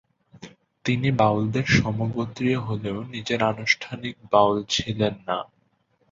তিনি বাউলদের সমগোত্রীয় হলেও নিজে আনুষ্ঠানিক বাউল ছিলেন না।